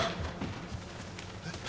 えっ？